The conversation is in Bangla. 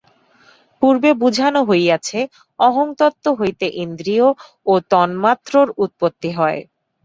পূর্বে বুঝান হইয়াছে, অহংতত্ত্ব হইতে ইন্দ্রিয় ও তন্মাত্রর উৎপত্তি হয়।